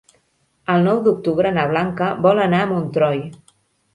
El nou d'octubre na Blanca vol anar a Montroi.